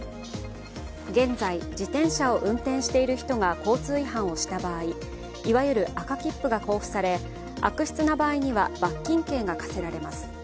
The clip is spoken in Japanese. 現在、自転車を運転している人が交通違反をした場合、いわゆる赤切符が交付され悪質な場合には罰金刑が科されます。